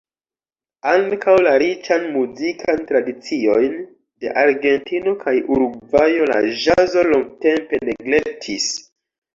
Ankaŭ la riĉan muzikan tradiciojn de Argentino kaj Urugvajo la ĵazo longtempe neglektis.